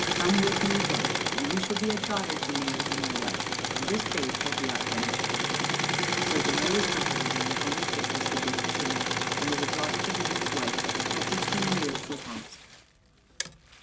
Come with me, then, and you shall be a daughter to me and to my wife, and this babe shall be our grandchild." So Danæ was comforted and went home with Dictys, the good fisherman, and was a daughter to him and to his wife, till fifteen years were past.